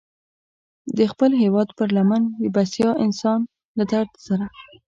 د خپل هېواد پر لمن د بسیا انسان له درد سره.